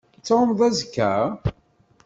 Ad tɛummeḍ azekka?